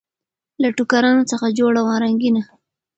له ټوکرانو څخه جوړه وه رنګینه